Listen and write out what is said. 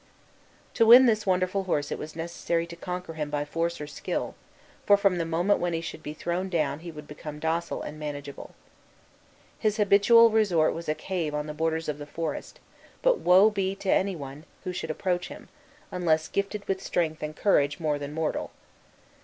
To win this wonderful horse it was necessary to conquer him by force or skill; for from the moment when he should be thrown down he would become docile and manageable. His habitual resort was a cave on the borders of the forest; but woe be to any one who should approach him, unless gifted with strength and courage more than mortal.